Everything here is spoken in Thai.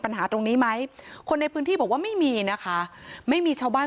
ปัญหาตรงนี้ไหมคนในพื้นที่บอกว่าไม่มีนะคะไม่มีชาวบ้าน